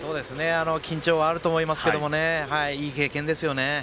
緊張はあると思いますけどいい経験ですよね。